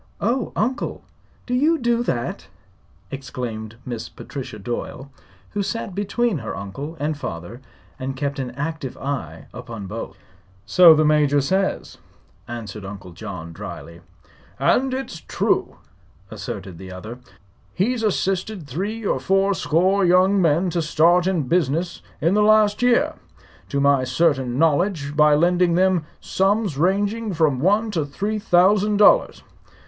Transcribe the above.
"Oh, Uncle! Do you do that?" exclaimed Miss Patricia Doyle, who sat between her uncle and father and kept an active eye upon both. "So the Major says," answered Uncle John, dryly. "And it's true," asserted the other. "He's assisted three or four score young men to start in business in the last year, to my certain knowledge, by lending them sums ranging from one to three thousand dollars.